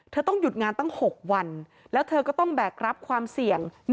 ต้องหยุดงานตั้ง๖วันแล้วเธอก็ต้องแบกรับความเสี่ยง